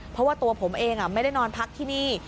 เพราะว่าตัวผมเองไม่ได้นอนพักที่นี่